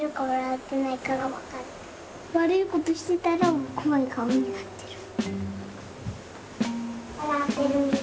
悪いことしてたら怖い顔になってる。